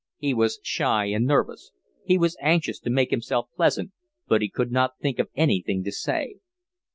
He was shy and nervous. He was anxious to make himself pleasant, but he could not think of anything to say.